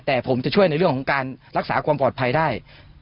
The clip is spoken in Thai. แต่ผมจะช่วยในเรื่องของการรักษาความปลอดภัยได้